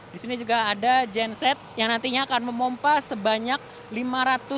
disini juga ada genset yang nantinya akan memompah sebanyak lima ratus juta